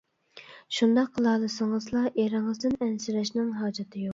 شۇنداق قىلالىسىڭىزلا، ئېرىڭىزدىن ئەنسىرەشنىڭ ھاجىتى يوق.